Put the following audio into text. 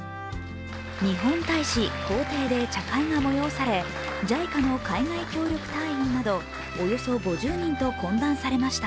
日本大使公邸で茶会が催され、ＪＩＣＡの海外協力隊員などおよそ５０人と懇談されました。